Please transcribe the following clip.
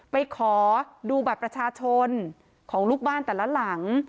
ไปขอดูบัตรประชาชนของลูกบ้านแต่ละหลัง